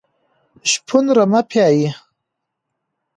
شپون رمه پيایي.